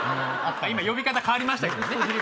今呼び方変わりましたけどね。